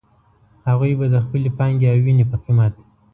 هغوی به د خپلې پانګې او وينې په قيمت.